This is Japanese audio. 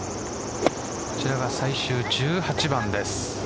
こちらが最終１８番です。